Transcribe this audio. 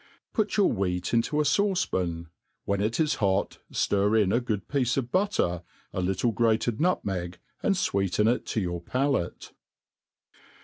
iPUT youf wheat into a fauce pan ; when it is hot, ftir ia a good piece of butter, a little grated nutmeg, and fweeten it to your palate.